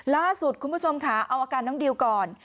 ล่าสุดคุณผู้ชมค่ะเอาอาการน้องดิวก่อน